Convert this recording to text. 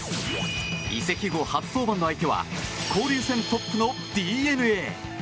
移籍後初登板の相手は交流戦トップのＤｅＮＡ。